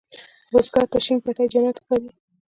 بزګر ته شین پټی جنت ښکاري